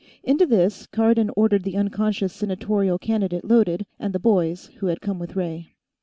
Into this, Cardon ordered the unconscious senatorial candidate loaded, and the boys who had come with Ray.